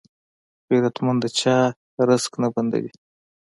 غیرتمند د چا رزق نه بندوي